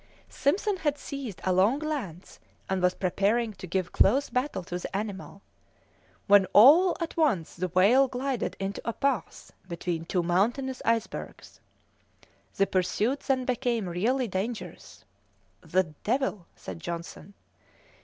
Simpson had seized a long lance, and was preparing to give close battle to the animal, when all at once the whale glided into a pass between two mountainous icebergs. The pursuit then became really dangerous. "The devil!" said Johnson.